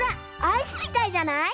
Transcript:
アイスみたいじゃない？